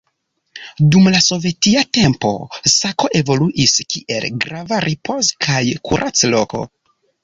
Dum la sovetia tempo Sako evoluis kiel grava ripoz- kaj kurac-loko.